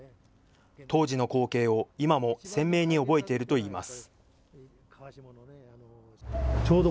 当時の光景を今も鮮明に覚えているといいます。